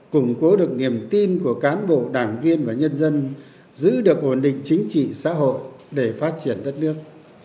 củng cố được niềm tin của cán bộ đảng viên và nhân dân giữ được ổn định chính trị xã hội để phát triển đất nước